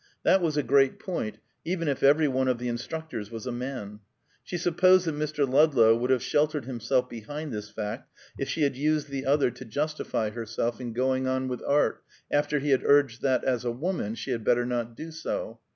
That was a great point, even if every one of the instructors was a man. She supposed that Mr. Ludlow would have sheltered himself behind this fact if she had used the other to justify herself in going on with art after he had urged that as a woman, she had better not do so.